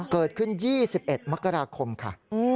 เกิดขึ้น๒๑มกราคมค่ะ